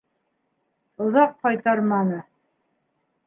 Оҙаҡ ҡайтарманы.